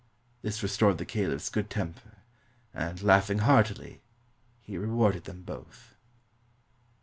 This restored the caliph's good temper, and, laughing heartily, he rewarded them both.